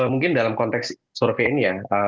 mungkin dalam konteks survei ini ya